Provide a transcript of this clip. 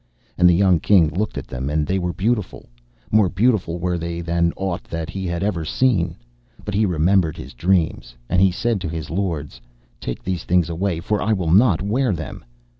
And the young King looked at them, and they were beautiful. More beautiful were they than aught that he had ever seen. But he remembered his dreams, and he said to his lords: 'Take these things away, for I will not wear them.